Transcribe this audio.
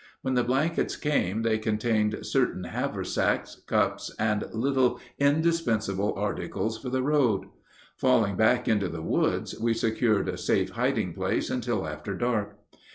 When the blankets came they contained certain haversacks, cups, and little indispensable articles for the road. Falling back into the woods, we secured a safe hiding place until after dark.